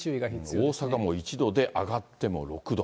大阪も１度で、上がっても６度。